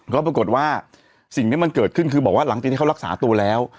ก็ปรากฏว่าสิ่งที่มันเกิดขึ้นคือบอกว่าหลังจากที่เขารักษาตัวแล้ว